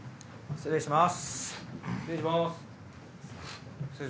失礼します。